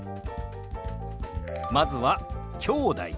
まずは「きょうだい」。